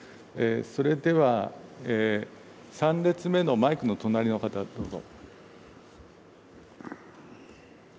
それでは３列目のマイクの隣の方、どうぞ。